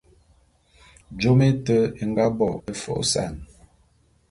Jôm éte é nga bo é fô'ôsan.